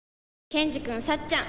ケンジくんさっちゃん